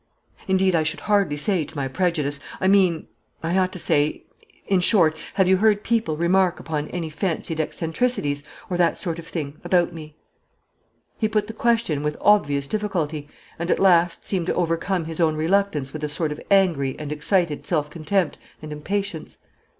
Indeed I should hardly say to my prejudice; I mean I ought to say in short, have you heard people remark upon any fancied eccentricities, or that sort of thing, about me?" He put the question with obvious difficulty, and at last seemed to overcome his own reluctance with a sort of angry and excited self contempt and impatience.